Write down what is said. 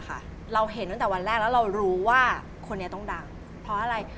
คือยังไง